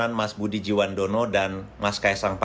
untuk membuat masyarakat indonesia menjadi kepentingan